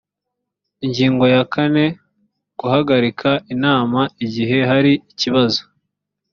ingingo ya kane guhagarika inama igihe hari ikibazo